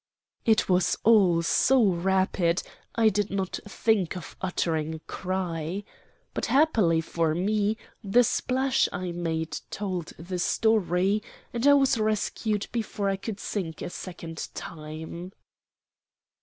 "It was all so rapid I did not think of uttering a cry. But happily for me the splash I made told the story, and I was rescued before I could sink a second time.